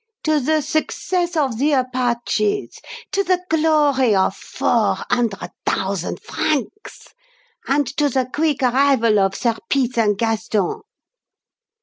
"To the success of the Apaches, to the glory of four hundred thousand francs, and to the quick arrival of Serpice and Gaston!"